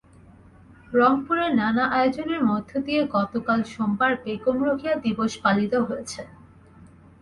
রংপুরে নানা আয়োজনের মধ্য দিয়ে গতকাল সোমবার বেগম রোকেয়া দিবস পালিত হয়েছে।